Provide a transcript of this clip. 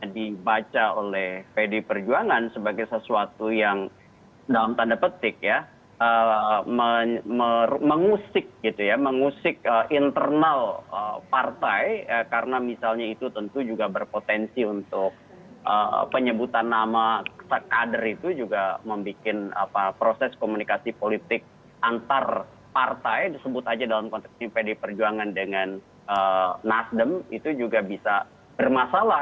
jadi baca oleh pdi perjuangan sebagai sesuatu yang dalam tanda petik ya mengusik gitu ya mengusik internal partai karena misalnya itu tentu juga berpotensi untuk penyebutan nama sekadar itu juga membuat proses komunikasi politik antar partai disebut aja dalam konteks pdi perjuangan dengan nasdem itu juga bisa bermasalah